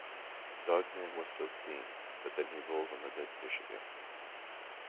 Dog Man was so clean, but then he rolled on the dead fish again.